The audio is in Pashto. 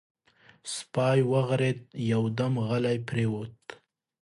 سپی وغرېد، يودم غلی پرېووت.